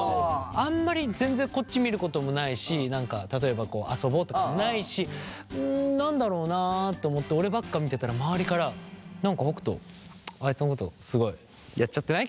あんまり全然こっち見ることもないし何か例えば遊ぼうとかもないしん何だろうなと思って俺ばっか見てたら周りから「何か北斗あいつのことすごいやっちゃってない？」